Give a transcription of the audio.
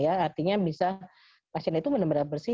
artinya bisa pasien itu benar benar bersih